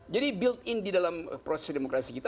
jadi build in di dalam proses demokrasi kita